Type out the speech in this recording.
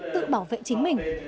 tự bảo vệ chính mình